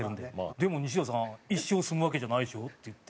「でも、西田さん一生住むわけじゃないでしょ？」って言って。